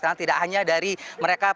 karena tidak hanya dari mereka berpengalaman